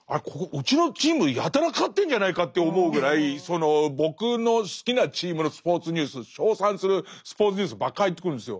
うちのチームやたら勝ってるんじゃないかって思うぐらいその僕の好きなチームのスポーツニュース称賛するスポーツニュースばっか入ってくるんですよ。